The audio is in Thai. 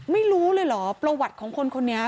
ไม่รู้เลยเหรอประวัติของคนคนนี้